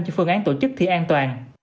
cho phương án tổ chức thi an toàn